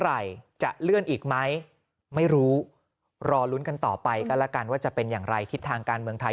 อะไรจะเลื่อนอีกไหมไม่รู้รอลุ้นกันต่อไปก็แล้วกันว่าจะเป็นอย่างไรทิศทางการเมืองไทย